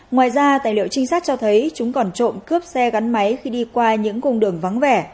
ngoài ra tài liệu trinh sát cho thấy chúng còn trộm cướp xe gắn máy khi đi qua những cung đường vắng vẻ